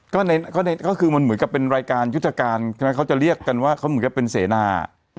ก็คือมันเหมือนกับเป็นรายการยุทธการใช่ไหมเขาจะเรียกกันว่าเขาเหมือนกับเป็นเสนา